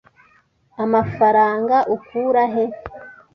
Amafaranga ukura he?